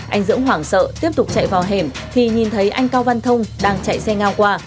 anh dưỡng hoảng sợ tiếp tục chạy vào hẻm thì nhìn thấy anh cao văn thông đang chạy xe ngao qua